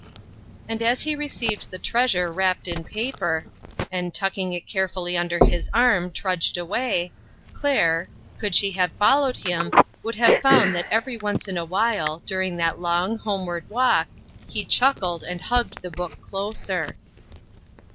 And as he received the treasure wrapped in paper, and, tucking it carefully under his arm, trudged away, Claire, could she have followed him, would have found that every once in a while, during that long, home ward walk, he chuckled, and hugged the book closer.